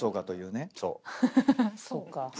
そうか。